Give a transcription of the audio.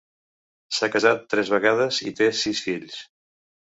S'ha casat tres vegades i té sis fills.